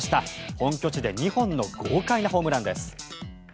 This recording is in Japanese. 本拠地で２本の豪快なホームランです。